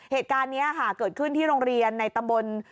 เหตุการณ์นี้ค่ะเกิดขึ้นที่โรงเรียนในตำบล